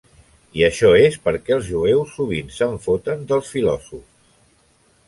I això és perquè els jueus sovint se'n foten dels filòsofs.